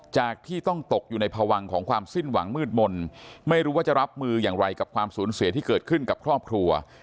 จากที่ต้องตกอยู่ในพวังของความสิ้นหวังมืดมนต์ไม่รู้ว่าจะรับมืออย่างไรกับความสูญเสียที่เกิดขึ้นกับครอบครัว